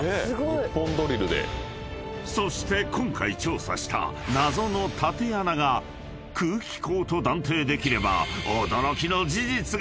［そして今回調査した謎の縦穴が空気口と断定できれば］